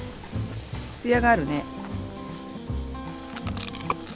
つやがあるね。